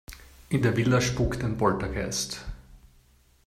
In der Villa spukt ein Poltergeist.